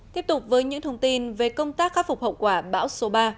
tiếp tục với những thông tin về công tác khắc phục hậu quả bão số ba